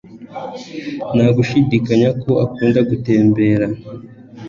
Nta gushidikanya ko akunda gutembera